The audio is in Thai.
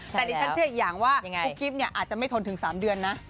แต่ดิฉันเชื่ออีกอย่างว่ากุ๊กกิ๊บเนี่ยอาจจะไม่ทนถึง๓เดือนนะ